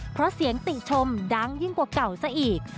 เพราะเสียงติชมดังยิ่งกว่าเก่าซะอีก